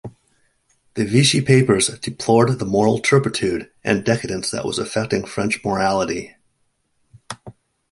The Vichy papers deplored the moral turpitude and decadence that was affecting French morality.